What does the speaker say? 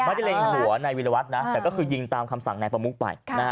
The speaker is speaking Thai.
ไม่ได้เต็มหัวในวิลวัฒน์นะแต่ก็คือยิงตามคำสั่งนายประมุกไป